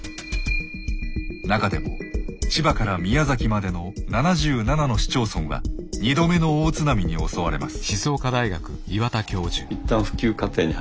中でも千葉から宮崎までの７７の市町村は２度目の大津波に襲われます。